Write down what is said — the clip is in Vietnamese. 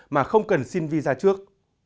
mà không cần xin visa trước